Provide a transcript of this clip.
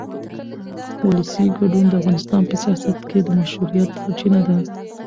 ولسي ګډون د افغانستان په سیاست کې د مشروعیت سرچینه ده